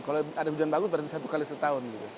kalau ada hujan bagus berarti satu kali setahun